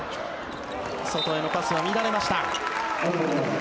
外へのパスは乱れました。